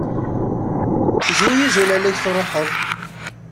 Zwi ijulal-ik truḥeḍ!